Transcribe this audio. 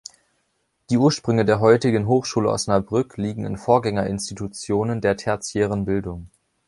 Die Ursprünge der heutigen Hochschule Osnabrück liegen in Vorgängerinstitutionen der tertiären Bildung.